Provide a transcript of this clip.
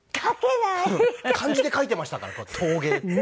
漢字で書いていましたから陶芸って。